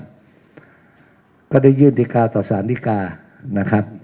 ประดับ๓มีคำพิพักษาเต็มตามฟ้องแล้วก็ได้ยื่นรีกาต่อสารรีกา